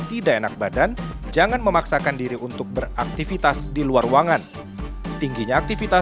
tidak enak badan jangan memaksakan diri untuk beraktivitas di luar ruangan tingginya aktivitas